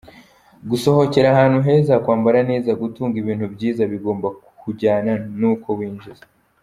Gusohokera ahantu heza, kwambara neza, gutunga ibintu byiza, bigomba kujyana n’uko winjiza.